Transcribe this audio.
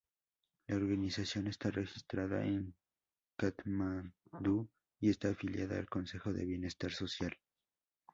La organización está registrada en Katmandú y está afiliada al consejo de bienestar social.